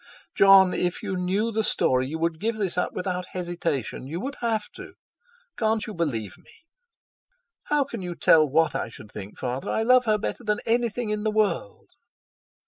"Jon, if you knew the story you would give this up without hesitation; you would have to! Can't you believe me?" "How can you tell what I should think? Father, I love her better than anything in the world."